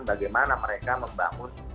yang membuat paham paham